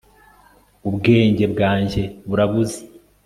ubwenge bwanjye burabuze